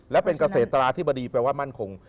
และเป็นเกษตราธิบดีแปลว่ามั่นคง